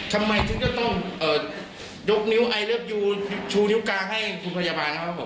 ทำไมถึงจะต้องยกนิ้วไอเลิฟยูชูนิ้วกลางให้คุณพยาบาลครับผม